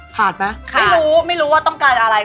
ไหมไม่รู้ไม่รู้ว่าต้องการอะไร